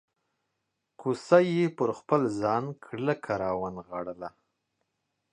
کوسۍ یې پر خپل ځان کلکه راونغاړله.